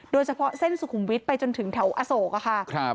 โดยเฉพาะเส้นสุขุมวิทย์ไปจนถึงแถวอโศกค่ะ